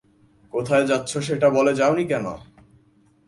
কোথায় যাচ্ছো সেটা বলে যাওনি কেন?